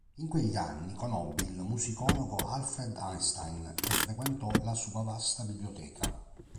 In quegli anni conobbe il musicologo Alfred Einstein e frequentò la sua vasta biblioteca.